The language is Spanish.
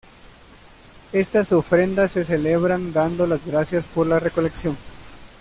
Estas ofrendas se celebran dando las gracias por la recolección.